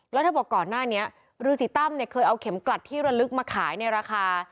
แล้วเธอบอกก่อนหน้านี้ฤษีตั้มเนี่ยเคยเอาเข็มกลัดที่ระลึกมาขายในราคา